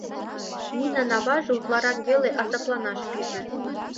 Нинан аваже утларак веле азапланаш пиже.